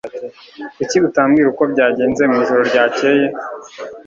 Kuki utambwira uko byagenze mwijoro ryakeye